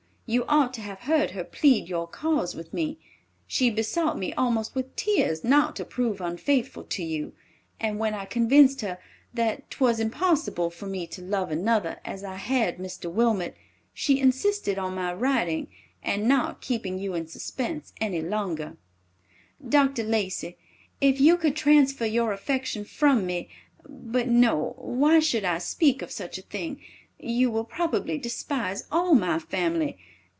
You ought to have heard her plead your cause with me. She besought me almost with tears not to prove unfaithful to you, and when I convinced her that 'twas impossible for me to love another as I had Mr. Wilmot, she insisted on my writing, and not keeping you in suspense any longer. "Dr. Lacey, if you could transfer your affection from me—, but no, why should I speak of such a thing! You will probably despise all my family.